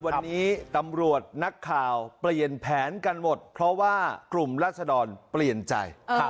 วันนี้ตำรวจนักข่าวเปลี่ยนแผนกันหมดเพราะว่ากลุ่มรัศดรเปลี่ยนใจ